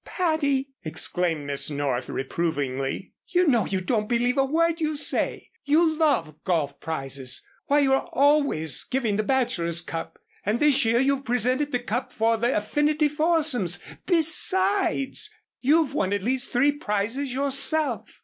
"Patty!" exclaimed Miss North, reprovingly. "You know you don't believe a word you say. You love golf prizes. Why you're always giving the Bachelors' Cup, and this year you've presented the cup for the 'Affinity Foursomes.' Besides, you've won at least three prizes yourself."